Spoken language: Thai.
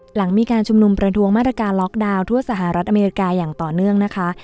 หลังมีการชุมนุมประทวงมาตรการล็อกดาวน์ทั่วสหรัฐอเมริกาอย่างต่อเนื่องนะคะ